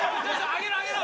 上げろ上げろ。